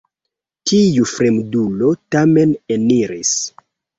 Tiu fremdulo tamen eniris.